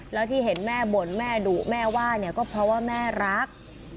แล้วที่เห็นแม่บ่นแม่ดุแม่ว่าเนี่ยก็เพราะว่าแม่รัก